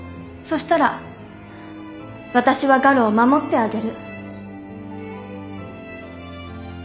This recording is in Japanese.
そしたら私は我路を守ってあげる